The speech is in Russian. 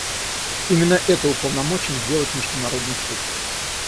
Именно это уполномочен сделать Международный Суд.